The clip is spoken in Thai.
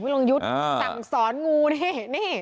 ลงยุทธ์สั่งสอนงูนี่นี่